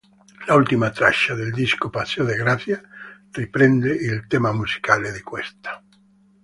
L'ultima traccia del disco, "Paseo de Gracia", riprende il tema musicale di questa.